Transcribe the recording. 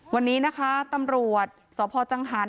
วันนี้นะคะตำรวจสพจังหาร